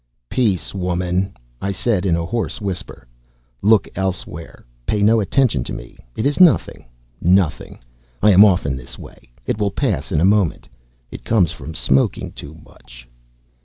"Peace, woman!" I said, in a hoarse whisper. "Look elsewhere; pay no attention to me; it is nothing nothing. I am often this way. It will pass in a moment. It comes from smoking too much."